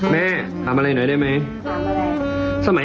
แม่ถามอะไรหน่วยได้มั้ยถามว่าอะไร